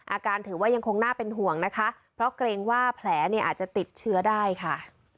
ถือว่ายังคงน่าเป็นห่วงนะคะเพราะเกรงว่าแผลเนี่ยอาจจะติดเชื้อได้ค่ะ